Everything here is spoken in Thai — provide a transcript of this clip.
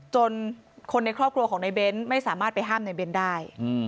จนคนในครอบครัวของในเบ้นไม่สามารถไปห้ามในเบ้นได้